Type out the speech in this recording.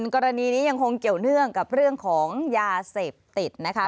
กรณีนี้ยังคงเกี่ยวเนื่องกับเรื่องของยาเสพติดนะคะ